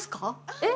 えっ？